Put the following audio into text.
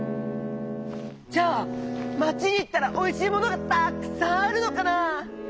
じゃあ町にいったらおいしいものがたっくさんあるのかな？